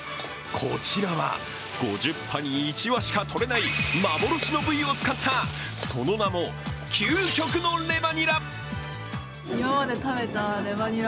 こちらは５０羽に１羽しか取れない、幻の部位を使ったその名も究極のレバにら。